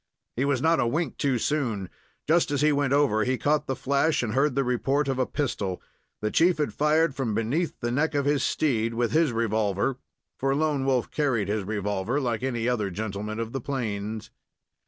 He was not a wink too soon. Just as he went over he caught the flash, and heard the report of a pistol. The chief had fired from beneath the neck of his steed, with his revolver for Lone Wolf carried his revolver, like any other gentleman of the plains.